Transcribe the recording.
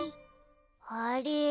あれ？